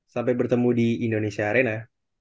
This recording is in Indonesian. sampai bertemu di indonesia arena